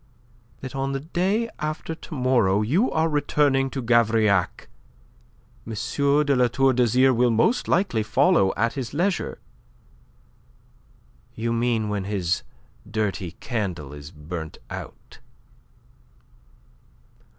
"That on the day after to morrow you are returning to Gavrillac. M. de La Tour d'Azyr will most likely follow at his leisure." "You mean when this dirty candle is burnt out?"